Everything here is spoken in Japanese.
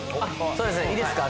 そうですいいですか？